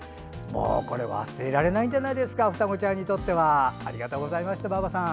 これ、忘れられないんじゃないですか双子ちゃんにとっては。ありがとうございました。